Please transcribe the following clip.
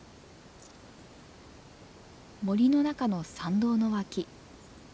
森の中の参道の脇。